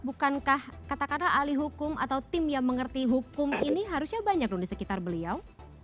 bukankah katakanlah ahli hukum atau tim yang mengerti hukum ini harusnya banyak dong di sekitar beliau